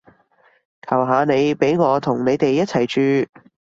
求下你畀我同你哋一齊住